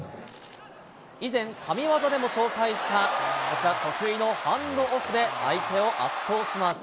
以前、神技でも紹介したこちら、得意のハンドオフで相手を圧倒します。